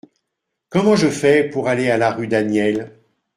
Comment je fais pour aller à la rue Daniel ?